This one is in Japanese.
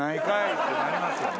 ってなりますよね。